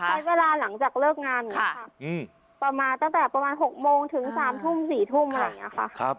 ใช้เวลาหลังจากเลิกงานค่ะประมาณตั้งแต่ประมาณ๖โมงถึง๓ทุ่ม๔ทุ่มค่ะ